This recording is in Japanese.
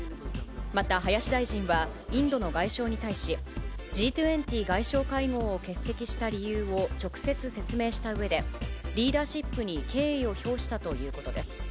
また林大臣は、インドの外相に対し、Ｇ２０外相会合を欠席した理由を直接説明したうえで、リーダーシップに敬意を表したということです。